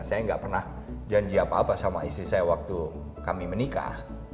saya nggak pernah janji apa apa sama istri saya waktu kami menikah